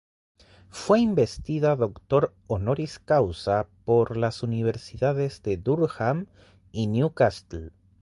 Fue investida doctor "honoris causa" por las universidades de Durham y Newcastle.